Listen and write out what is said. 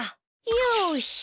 よし。